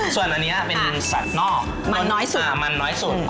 ส่วนอันนี้เป็นสัตว์นอกสุดมันน้อยสุด